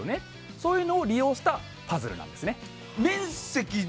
そういうのを利用したパズルなんですね。